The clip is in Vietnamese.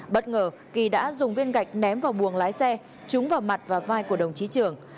bất ngờ kỳ đã dùng viên gạch ném vào buồng lái xe trúng vào mặt và vai của đồng chí trưởng